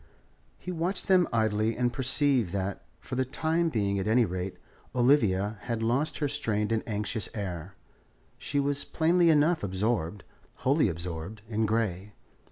He watched them idly and perceived that, for the time being at any rate, Olivia had lost her strained and anxious air. She was plainly enough absorbed, wholly absorbed, in Grey.